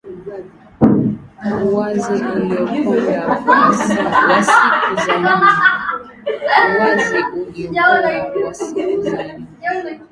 Uwazi uliokonda wa siku za nyuma